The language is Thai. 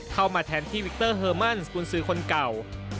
เข้ามาแทนที่วิกเตอร์เฮอร์มันสกุญสือคนเก่า